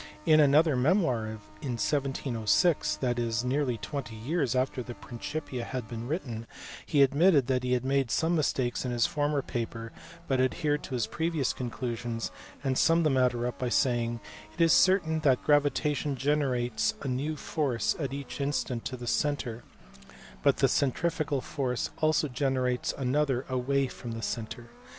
In another memoir in 1706, that is, nearly twenty years after the Principia had been written, he admitted that he had made some mistakes in his former paper but adhered to his previous conclusions, and summed the matter up by saying "it is certain that gravitation generates a new force at each instant to the centre, but the centrifugal force also generates another away from the centre.